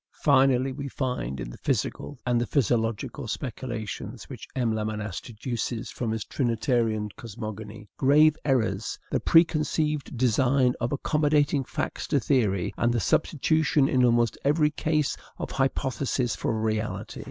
Finally, we find in the physical and physiological speculations which M. Lamennais deduces from his trinitarian cosmogony grave errors, the preconceived design of accommodating facts to theory, and the substitution in almost every case of hypothesis for reality.